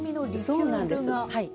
そうなんですはい。